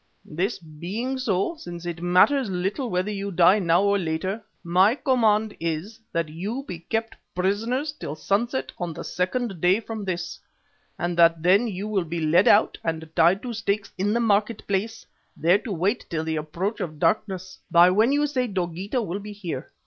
This being so, since it matters little whether you die now or later, my command is that you be kept prisoners till sunset of the second day from this, and that then you will be led out and tied to stakes in the market place, there to wait till the approach of darkness, by when you say Dogeetah will be here.